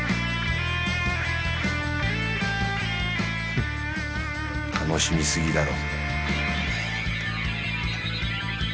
ふっ楽しみすぎだろ